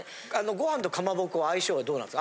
ご飯とかまぼこ相性はどうなんです？